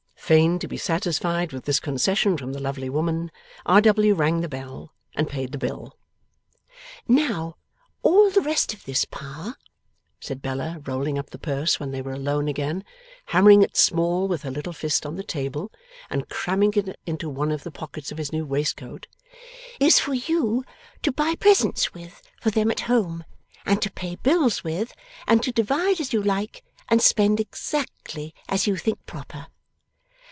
Fain to be satisfied with this concession from the lovely woman, R. W. rang the bell, and paid the bill. 'Now, all the rest of this, Pa,' said Bella, rolling up the purse when they were alone again, hammering it small with her little fist on the table, and cramming it into one of the pockets of his new waistcoat, 'is for you, to buy presents with for them at home, and to pay bills with, and to divide as you like, and spend exactly as you think proper.